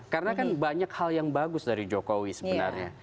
karena kan banyak hal yang bagus dari jokowi sebenarnya